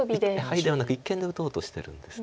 ハイではなく一間で打とうとしてるんです。